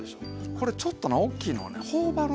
これちょっとな大きいのはね頬張る